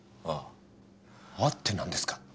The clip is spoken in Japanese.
「あっ」ってなんですか？